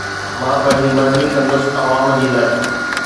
مان پنهنجي مرضي ڪندس، عوام جي نه